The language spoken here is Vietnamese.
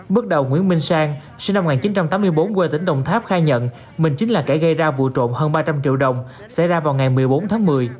bước đầu nguyễn minh sang sinh năm một nghìn chín trăm tám mươi bốn quê tỉnh đồng tháp khai nhận mình chính là kẻ gây ra vụ trộm hơn ba trăm linh triệu đồng xảy ra vào ngày một mươi bốn tháng một mươi